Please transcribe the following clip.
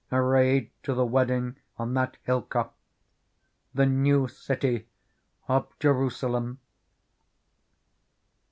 Arrayed to the wedding on that hill cop The New City of Jerusalem.